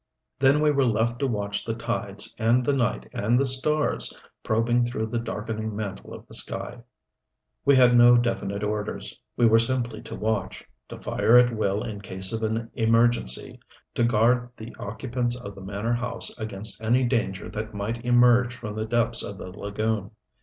Then we were left to watch the tides and the night and the stars probing through the darkening mantle of the sky. We had no definite orders. We were simply to watch, to fire at will in case of an emergency, to guard the occupants of the manor house against any danger that might emerge from the depths of the lagoon.